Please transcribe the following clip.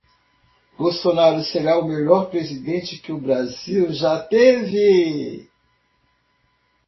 Bolsonaro será o melhor presidente que o Brasil já teve!